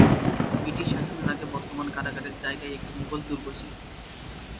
British শাসনের আগে বর্তমান কারাগারের জায়গায় একটি মুঘল দুর্গ ছিল।